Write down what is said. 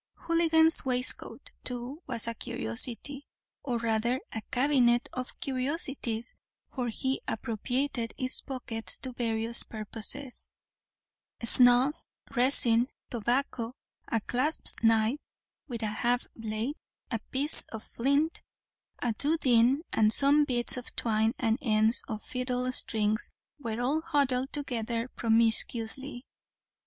Houligan's waistcoat, too, was a curiosity, or rather, a cabinet of curiosities; for he appropriated its pockets to various purposes; snuff, resin, tobacco, a clasp knife with half a blade, a piece of flint, a doodeen, and some bits of twine and ends of fiddle strings were all huddled together promiscuously.